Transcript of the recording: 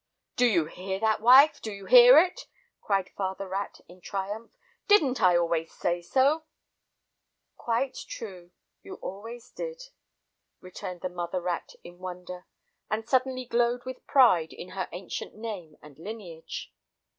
"Do you hear that, wife, do you hear it?" cried father rat in triumph. "Didn't I always say so?" "Quite true! you always did," returned the mother rat in wonder, and suddenly glowed with pride in her ancient name and lineage.